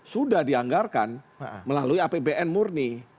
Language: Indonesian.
sudah dianggarkan melalui apbn murni